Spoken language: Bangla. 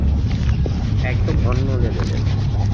একদম অন্য লেভেলের।